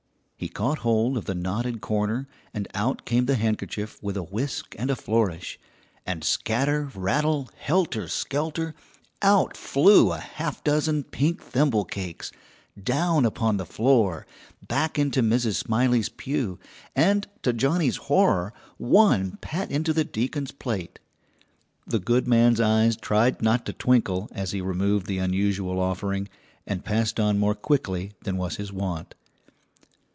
He caught hold of the knotted corner, and out came the handkerchief with a whisk and a flourish, and scatter, rattle, helter skelter, out flew a half dozen pink thimble cakes, down upon the floor, back into Mrs. Smiley's pew, and to Johnnie's horror one pat into the deacon's plate! The good man's eyes tried not to twinkle as he removed the unusual offering, and passed on more quickly than was his wont.